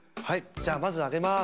じゃあまずあげます。